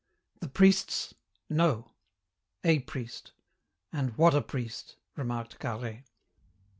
"The priests, no! A priest. And what a priest!" remarked Carhaix.